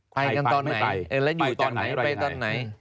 ไปกันตอนไหนแล้วอยู่ตอนไหนไปตอนไหน